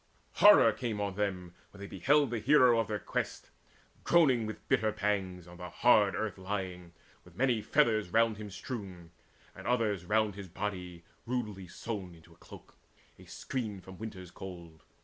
Horror came on them When they beheld the hero of their quest Groaning with bitter pangs, on the hard earth Lying, with many feathers round him strewn, And others round his body, rudely sewn Into a cloak, a screen from winter's cold.